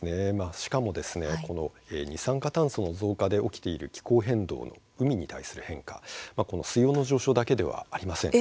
しかも、二酸化炭素の増加で起きている気候変動海に対する変化水温の上昇だけではありません。